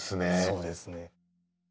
そうですね。